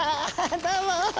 どうも！